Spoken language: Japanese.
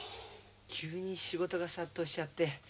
急に仕事が殺到しちゃって。